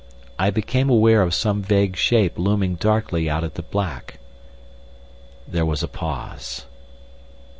I became aware of some vague shape looming darkly out of the black. There was a pause.